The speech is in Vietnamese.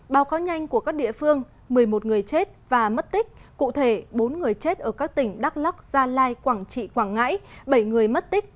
báo cáo nhanh của các địa phương một mươi một người chết và mất tích cụ thể bốn người chết ở các tỉnh đắk lắc gia lai quảng trị quảng ngãi bảy người mất tích